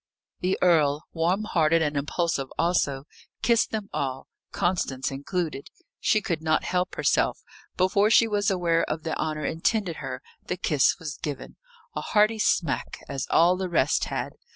The earl, warm hearted and impulsive also, kissed them all, Constance included. She could not help herself; before she was aware of the honour intended her, the kiss was given a hearty smack, as all the rest had.